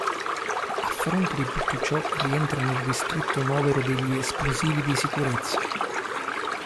A fronte di tutto ciò rientrano nel ristretto novero degli "esplosivi di sicurezza".